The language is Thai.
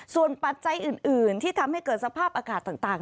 ส่วนปัจจัยอื่นที่ทำให้เกิดสภาพอากาศต่าง